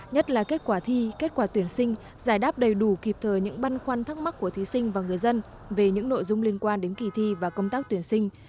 nhất là kết quả thi kết quả tuyển sinh giải đáp đầy đủ kịp thời những băn khoăn thắc mắc của thí sinh và người dân về những nội dung liên quan đến kỳ thi và công tác tuyển sinh